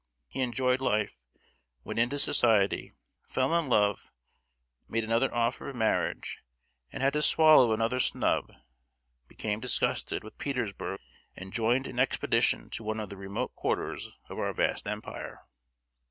He enjoyed life, went into society, fell in love, made another offer of marriage, and had to swallow another snub; became disgusted with Petersburg life, and joined an expedition to one of the remote quarters of our vast empire.